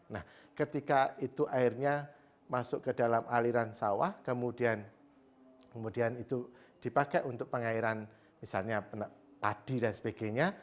nah ketika itu airnya masuk ke dalam aliran sawah kemudian itu dipakai untuk pengairan misalnya padi dan sebagainya